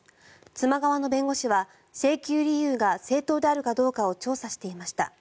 妻側の弁護士は請求理由が正当であるかどうかを調査していました。